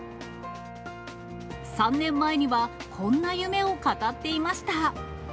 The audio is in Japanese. ３年前には、こんな夢を語っていました。